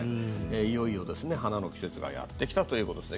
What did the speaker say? いよいよ花の季節がやってきたということですね。